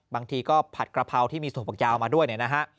บางทีก็ผัดกระเพราที่มีถั่วฝักยาวมาด้วยนะฮะ